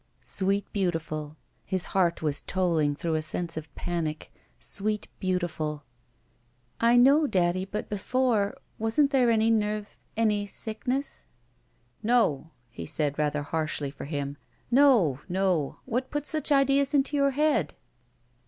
Sweet Beautiful — ^hds heart was tolling through a sense of panic — Sweet Beautiful. "I know, daddy, but before — ^wasn't there any nerv — any sickness?" "No," he said, rather harshly for him. "No. No. What put such ideas into your head?"